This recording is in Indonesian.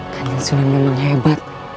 kanjang tuhan memang hebat